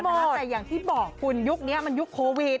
แต่อย่างที่บอกคุณยุคนี้มันยุคโควิด